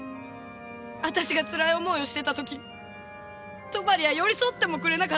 私がつらい思いをしてた時戸張は寄り添ってもくれなかった。